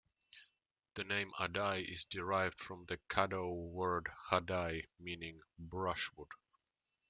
The name "Adai" is derived from the Caddo word "hadai" meaning 'brushwood'.